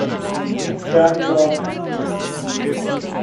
Damn you all!